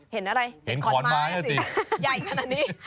เห็นอะไรเห็นขอนไม้สิใหญ่ขนาดนี้